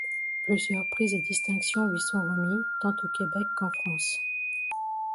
Plusieurs prix et distinctions lui sont remis, tant au Québec qu'en France.